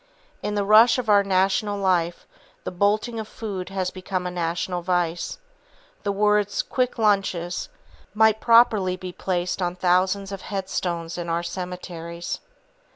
In the rush of our national life, the bolting of food has become a national vice. The words "Quick Lunches" might properly be placed on thousands of headstones in our cemeteries.